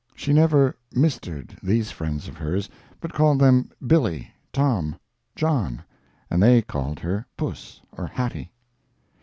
She never "Mistered" these friends of hers, but called them "Billy," "Tom," "John," and they called her "Puss" or "Hattie."